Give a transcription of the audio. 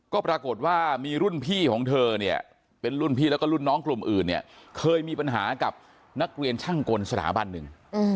ก็ปรากฏว่ามีรุ่นพี่ของเธอเนี่ยเป็นรุ่นพี่แล้วก็รุ่นน้องกลุ่มอื่นเนี่ยเคยมีปัญหากับนักเรียนช่างกลสถาบันหนึ่ง